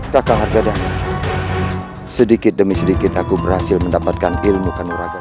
takah harga dan sedikit demi sedikit aku berhasil mendapatkan ilmu kanuragat